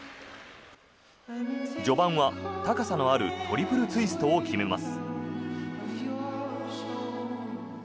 序盤は高さのあるトリプルツイストを決めます。